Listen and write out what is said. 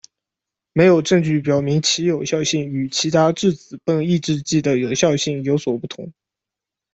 没有证据表明其有效性与其他质子泵抑制剂的有效性有所不同。